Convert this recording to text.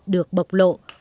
được bộc lộ